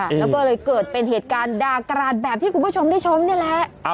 แล้วก็เลยเกิดเป็นเหตุการณ์ดากราศแบบที่คุณผู้ชมได้ชมนี่แหละ